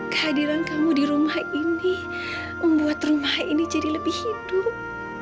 kehadiran kamu di rumah ini membuat rumah ini jadi lebih hidup